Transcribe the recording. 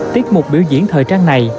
tiết mục biểu diễn thời trang này